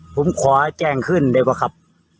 ผมขอแจ้งขึ้นเลยครับ